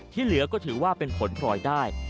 ที่เหลือก็ถือว่าเป็นผลพลอยได้